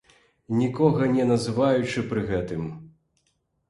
Нікога не называючы пры гэтым.